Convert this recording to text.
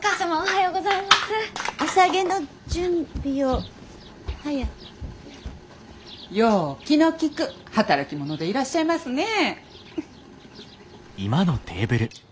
よう気の利く働き者でいらっしゃいますねえ。